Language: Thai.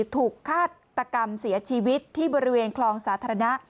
ฆาตกรรมเสียชีวิตที่บริเวณคลองสาธารณะ